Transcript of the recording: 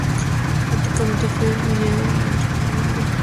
Críticamente fue un video bien recibido.